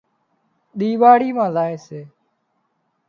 ۮِيواۯي مان زائي سي